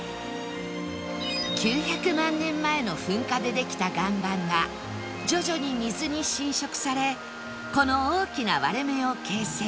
９００万年前の噴火でできた岩盤が徐々に水に浸食されこの大きな割れ目を形成